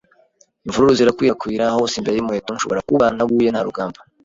imvururu zikwirakwira hose imbere y'umuheto. Nshobora kuba ntaguye nta rugamba